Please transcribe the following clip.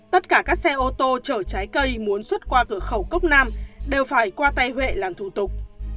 tất cả các xe ô tô chở trái cây muốn xuất qua cửa khẩu cốc nam đều phải qua tay huệ làm thủ tục